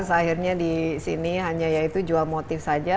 seakhirnya disini hanya itu jual motif saja